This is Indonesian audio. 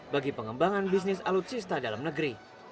bagi pengembangan bisnis alutsista dalam negeri